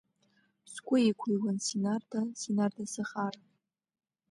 Сгәы иқәыҩуан Синарда, синарда, сыхаара!